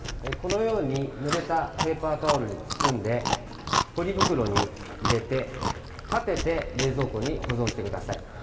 このようにぬれたペーパータオルに包んでポリ袋に入れて立てて冷蔵庫に保存してください。